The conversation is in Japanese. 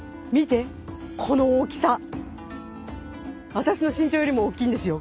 私の身長よりもおっきいんですよ